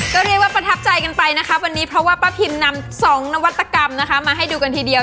ก็เรียกว่าประทับใจกันไปนะครับวันนี้เพราะว่าป้าพิมนำสองนวัตกรรมนะคะมาให้ดูกันทีเดียว